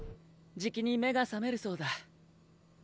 じきに目が覚めるそうだ。